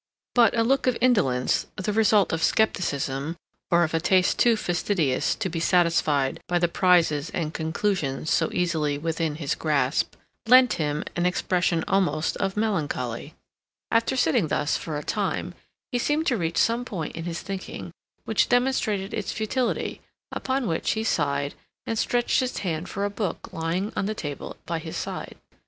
But a look of indolence, the result of skepticism or of a taste too fastidious to be satisfied by the prizes and conclusions so easily within his grasp, lent him an expression almost of melancholy. After sitting thus for a time, he seemed to reach some point in his thinking which demonstrated its futility, upon which he sighed and stretched his hand for a book lying on the table by his side.